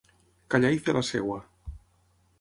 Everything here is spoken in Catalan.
Callar i fer la seva.